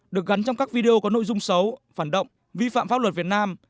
được gắn trong các video có nội dung xấu phản động vi phạm pháp luật việt nam